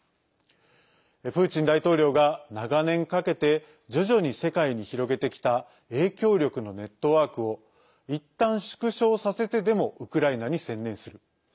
プーチン大統領が長年かけて徐々に世界に広げてきた影響力のネットワークをいったん縮小させてでもウクライナに専念する。